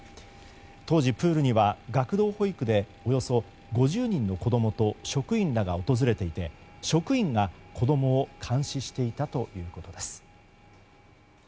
当時、プールには学童保育でおよそ５０人の子供と職員らが訪れていて職員が子供を監視していたということです。